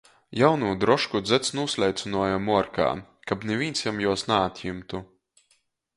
Jaunū drošku dzeds nūsleicynuoja muorkā, kab nivīns jam juos naatjimtu.